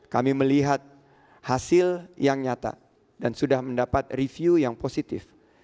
kami melihat hasil yang nyata dan sudah mendapat review yang positif